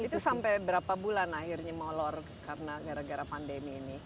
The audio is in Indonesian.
itu sampai berapa bulan akhirnya molor karena gara gara pandemi ini